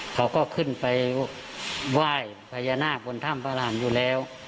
เขาก็ขึ้นไปไหว้พญานาคบนถ้ำพระรามอยู่แล้ว